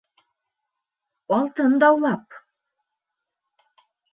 Алтын даулап.